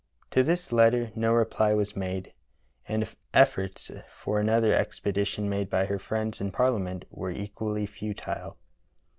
To this letter no reply was made, and efforts for another expedition made by her friends in Parliament were equally futile.